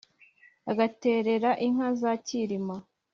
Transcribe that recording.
agaterera inká zá cyírima